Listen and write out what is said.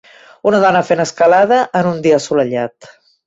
Una dona fent escalada en un dia assolellat.